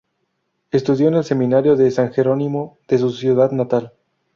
Estudió en el Seminario de San Jerónimo de su ciudad natal.